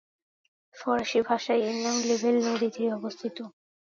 ফরাসি ভাষায় এর নাম নিভেল নদীর তীরে অবস্থিত।